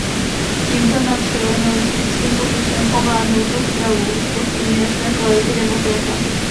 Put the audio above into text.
Tímto nacionalistickým pokusem ovládnout rozpravu zpochybňuje své kvality demokrata.